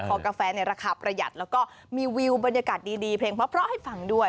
พอกาแฟในราคาประหยัดแล้วก็มีวิวบรรยากาศดีเพลงเพราะให้ฟังด้วย